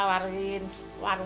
setawar tawarin warung warung tuh